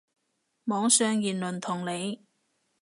網上言論同理